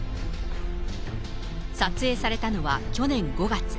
撮影されたのは去年５月。